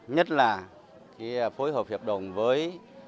nhất là phối hợp hiệp đồng với